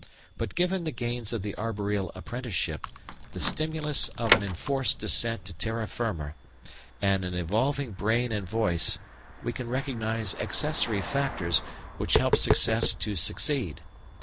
But given the gains of the arboreal apprenticeship, the stimulus of an enforced descent to terra firma, and an evolving brain and voice, we can recognise accessory factors which helped success to succeed.